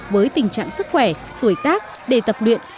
với tình trạng sức khỏe tuổi tác để tập luyện